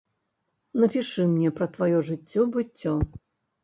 Напішы мне пра тваё жыццё-быццё.